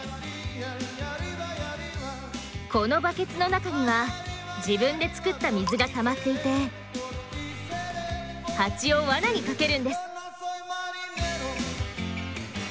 このバケツの中には自分で作った水がたまっていてハチを罠にかけるんです。